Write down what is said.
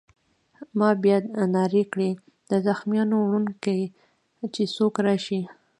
ما بیا نارې کړې: د زخمیانو وړونکی! چې څوک راشي.